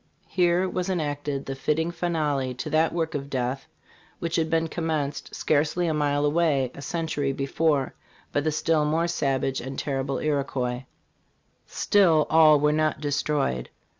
Here was enacted the fitting finale to that work of death which had been commenced, scarcely a mile away, a century before by the still more savage and terrible Iroquois " Still, all were not destroyed.